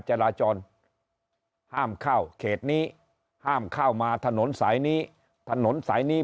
จราจรห้ามเข้าเขตนี้ห้ามเข้ามาถนนสายนี้ถนนสายนี้